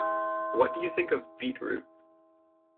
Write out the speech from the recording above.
What do you think of beetroot?